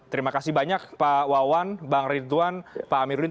terima kasih banyak pak wawan bang ridwan pak amiruddi